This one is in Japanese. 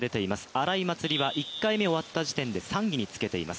荒井祭里は、１回目終わった時点で３位につけています。